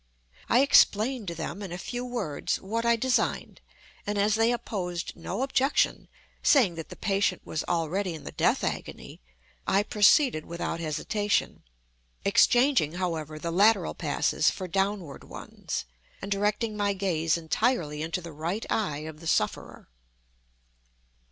I explained to them, in a few words, what I designed, and as they opposed no objection, saying that the patient was already in the death agony, I proceeded without hesitation—exchanging, however, the lateral passes for downward ones, and directing my gaze entirely into the right eye of the sufferer.